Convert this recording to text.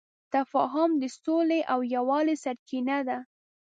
تفاهم د سولې او یووالي سرچینه ده.